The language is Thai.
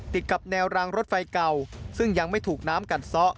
ติดกับแนวรางรถไฟเก่าซึ่งยังไม่ถูกน้ำกัดซ้อ